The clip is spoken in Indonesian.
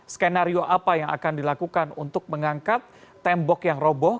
skenario apa yang akan dilakukan untuk mengangkat tembok yang roboh